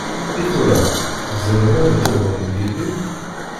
I tura tzemrem ad d-telhum d yelli?